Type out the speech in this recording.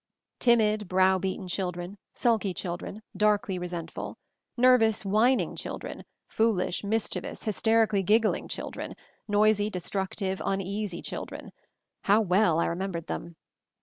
Timid, brow beaten children, sulky chil dren, darkly resentful; nervous, whining children, foolish, mischievous, hysterically giggling children, noisy, destructive, un easy children — how well I remembered them.